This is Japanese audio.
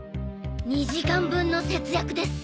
２時間分の節約です。